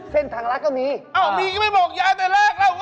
ทางรัฐก็มีอ้าวมีก็ไม่บอกยายแต่แรกแล้ว